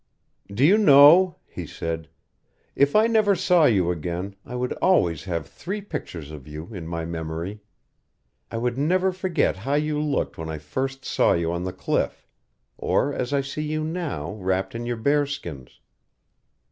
"Do you know," he said, "if I never saw you again I would always have three pictures of you in my memory. I would never forget how you looked when I first saw you on the cliff or as I see you now, wrapped in your bearskins.